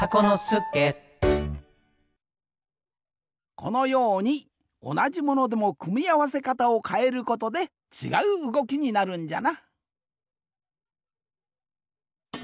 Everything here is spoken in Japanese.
このようにおなじものでもくみあわせかたをかえることでちがううごきになるんじゃな。